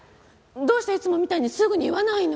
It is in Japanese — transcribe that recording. どうしていつもみたいにすぐに言わないの！